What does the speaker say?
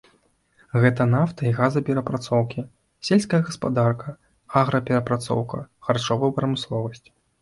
Гэта нафта і газаперапрацоўкі, сельская гаспадарка, аграперапрацоўка, харчовая прамысловасць.